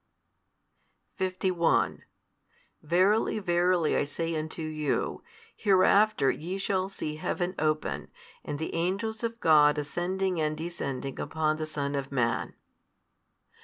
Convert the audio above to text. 51 Verily, verily I say unto you, hereafter ye shall see Heaven open, and the angels of God ascending and descending upon the Son of Man.